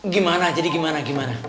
gimana jadi gimana